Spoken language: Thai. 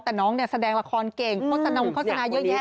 แต่น้องเนี่ยแสดงละครเก่งโฆษณาเยอะแยะมากมาย